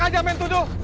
enak aja main tuduh